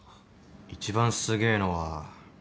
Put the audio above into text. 一番すげえのは。